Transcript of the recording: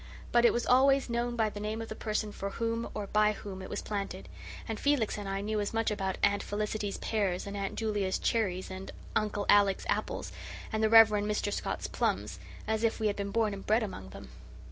But it was always known by the name of the person for whom, or by whom, it was planted; and Felix and I knew as much about "Aunt Felicity's pears," and "Aunt Julia's cherries," and "Uncle Alec's apples," and the "Rev. Mr. Scott's plums," as if we had been born and bred among them.